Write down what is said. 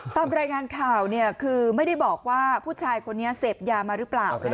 ตามรายงานข่าวคือไม่ได้บอกว่าผู้ชายคนนี้เสพยามาหรือเปล่า